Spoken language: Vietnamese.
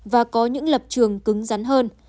và có những lập trường cứng rắn hơn